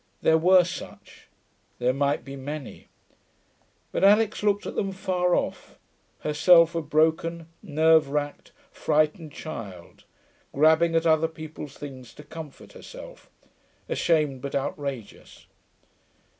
There were such. There might be many. But Alix looked at them far off, herself a broken, nerve wracked, frightened child, grabbing at other people's things to comfort herself, ashamed but outrageous.